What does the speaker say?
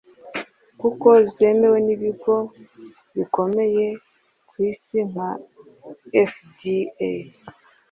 kuko zemewe n'ibigo bikomeye ku isi nka FDA